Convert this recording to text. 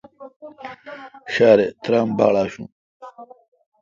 ݭارےترام باڑ آشوں۔